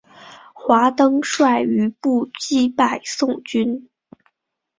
华登率余部击败宋军。